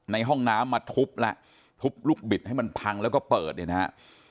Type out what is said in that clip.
ในห้องน้ำมาทุบแล้วทุบลูกบิดให้มันพังแล้วก็เปิดเนี่ยนะฮะ